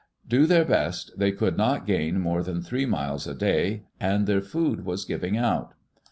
Do their best, they could not gain more than three miles a day, and their food was giving out.